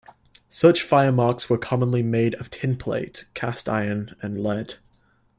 Such fire marks were commonly made of tinplate, cast iron and lead.